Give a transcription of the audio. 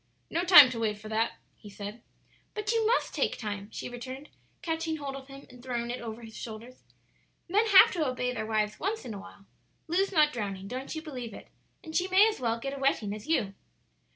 "No time to wait for that," he said. "But you must take time," she returned, catching hold of him and throwing it over his shoulders; "men have to obey their wives once in awhile; Lu's not drowning; don't you believe it; and she may as well get a wetting as you."